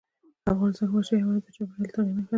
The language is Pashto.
افغانستان کې وحشي حیوانات د چاپېریال د تغیر نښه ده.